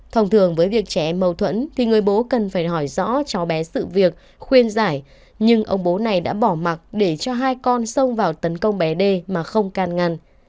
thông thường với việc trẻ em mâu thuẫn thì người bố cần phải hỏi rõ cháu bé sự việc khuyên giải nhưng ông bố này đã bỏ mặt để cho hai con sông vào tấn công bé đê mà không can ngăn